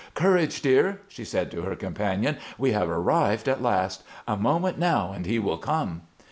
"Courage, dear!" she said to her companion. "We have arrived at last. A moment now and he will come."